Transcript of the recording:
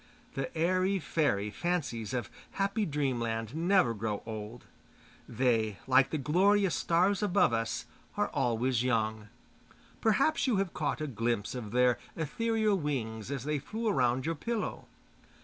The airy fairy fancies of happy Dreamland never grow old; they, like the glorious stars above us, are always young. Perhaps you have caught a glimpse of their ethereal wings as they flew around your pillow.